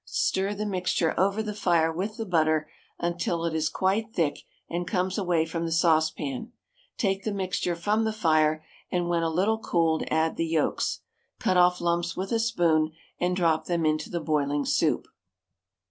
Stir the mixture over the fire with the butter until it is quite thick and comes away from the saucepan; take the mixture from the fire, and when a little cooled add the yolks. Cut off lumps with a spoon and drop them into the boiling soup.